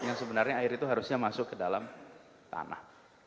yang sebenarnya air itu harusnya masuk ke dalam tanah